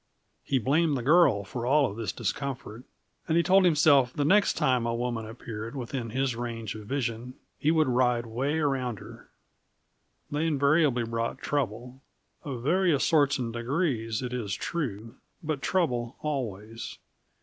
He blamed the girl for all of this discomfort, and he told himself that the next time a woman appeared within his range of vision he would ride way around her. They invariably brought trouble; of various sorts and degrees, it is true, but trouble always.